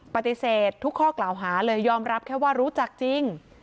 ปฏิเสธทุกข้อกล่าวหาเลยยอมรับแค่ว่ารู้จักจริง